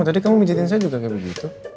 tadi kamuiate dimijetin saya juga kayak begitu